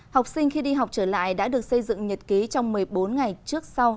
học sinh khi đi học trở lại đã được xây dựng nhật ký trong một mươi bốn ngày trước sau